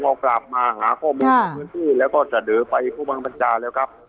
กองปราบมาหาข้อมูลในพื้นที่แล้วก็เสดอไปภูมิปัญชาแล้วครับ